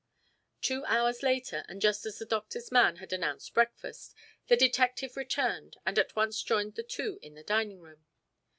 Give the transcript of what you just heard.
Two hours later, and just as the doctor's man had announced breakfast, the detective returned, and at once joined the two in the dining room.